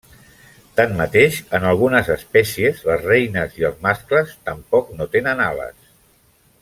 Tanmateix, en algunes espècies les reines i els mascles tampoc no tenen ales.